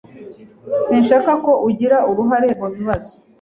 Sinshaka ko ugira uruhare mu bibazo.